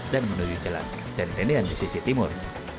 dan menuju jalan ketentendian di sisi timur